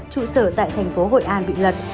trụ sở tại thành phố hội an bị lật